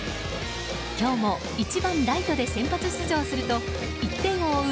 今日も１番ライトで先発出場すると１点を追う